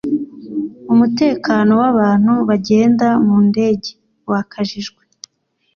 umutekano wabantu bagenda mu ndege wakajijwe